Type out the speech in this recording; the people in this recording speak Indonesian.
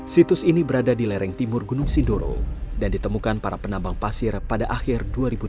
situs ini berada di lereng timur gunung sindoro dan ditemukan para penambang pasir pada akhir dua ribu delapan belas